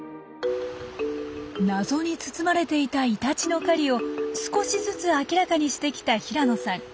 謎に包まれていたイタチの狩りを少しずつ明らかにしてきた平野さん。